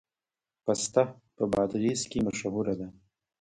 پسته په بادغیس کې مشهوره ده